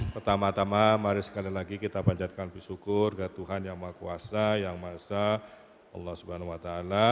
pertama tama mari sekali lagi kita panjatkan bersyukur ke tuhan yang maha kuasa yang maha esa allah swt